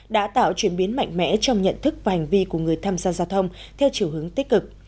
đã tạo chuyển biến mạnh mẽ trong nhận thức và hành vi của người tham gia giao thông theo chiều hướng tích cực